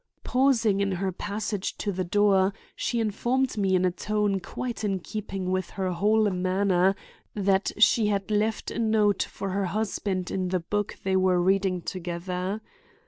Pausing in her passage to the door, she informed me in a tone quite in keeping with her whole manner, that she had left a note for her husband in the book they were reading together.